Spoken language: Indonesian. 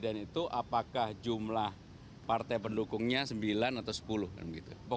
dan itu adalah hal yang harus diketahui